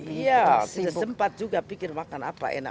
iya sempat juga pikir makan apa enak